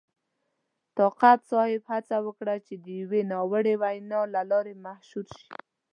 طاقت صاحب هڅه وکړه چې د یوې ناوړې وینا له لارې مشهور شي.